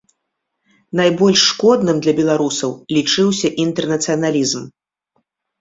Найбольш шкодным для беларусаў лічыўся інтэрнацыяналізм.